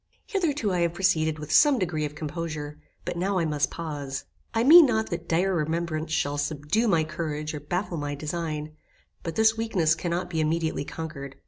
Hitherto I have proceeded with some degree of composure, but now I must pause. I mean not that dire remembrance shall subdue my courage or baffle my design, but this weakness cannot be immediately conquered.